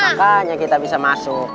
makanya kita bisa masuk